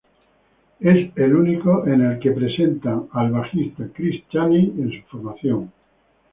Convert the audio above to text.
Es el único en el cual presentan al bajista Chris Chaney en su formación.